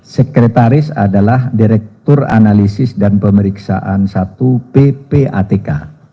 sekretaris adalah direktur analisis dan pemeriksaan satu ppatk